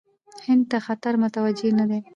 هند ته خطر متوجه نه دی.